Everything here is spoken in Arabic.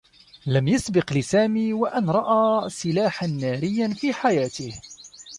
لم يسبق لسامي و أن رأى سلاحا ناريّا في حياته.